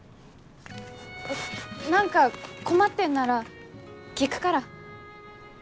何か困ってんなら聞くから。